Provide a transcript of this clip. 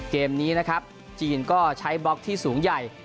เกมนี้นะครับจีนก็ใช้บล็อกที่สูงใหญ่